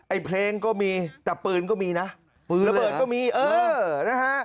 ไอ้เพลงก็มีแต่ปืนก็มีนะปืนระเบิดก็มีเออนะฮะ